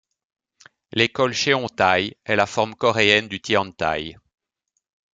L'école Cheontae est la forme coréenne de Tiantai.